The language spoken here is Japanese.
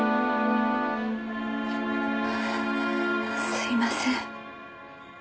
すいません。